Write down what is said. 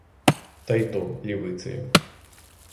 Та й то — лівицею.